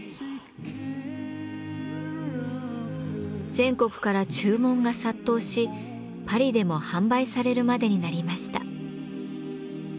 全国から注文が殺到しパリでも販売されるまでになりました。